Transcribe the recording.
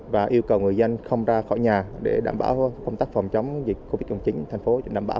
và yêu cầu người dân không ra khỏi nhà để đảm bảo công tác phòng chống dịch covid một mươi chín thành phố